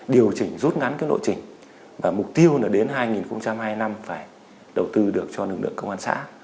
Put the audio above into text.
điều chỉnh rút ngắn cái lộ trình và mục tiêu là đến hai nghìn hai mươi năm phải đầu tư được cho lực lượng công an xã